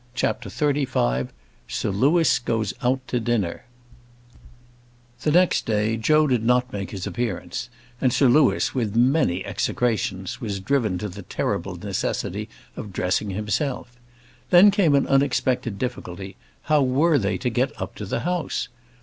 CHAPTER XXXV Sir Louis Goes Out to Dinner The next day Joe did not make his appearance, and Sir Louis, with many execrations, was driven to the terrible necessity of dressing himself. Then came an unexpected difficulty: how were they to get up to the house?